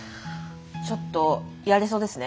ちょっとやれそうですね。